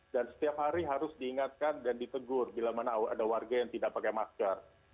dan setiap hari harus diingatkan dan ditegur bila mana ada warga yang tidak pakai masker